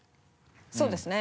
そうですね。